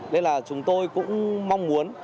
vậy là chúng tôi cũng mong muốn